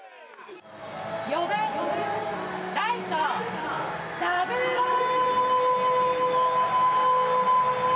４番ライト、サブロー！